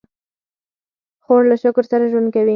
خور له شکر سره ژوند کوي.